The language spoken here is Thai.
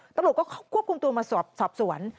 ตำรวจก็ควบคุมตัวมาสอบสวน